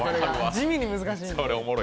地味に難しいんです。